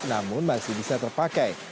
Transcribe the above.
namun masih bisa terpakai